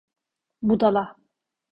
Budala!